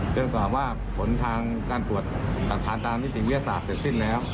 เพื่อสอบว่าผลทางการปวดสถานทางที่ถึงเวียดศาสตร์เสร็จสิ้นแล้ว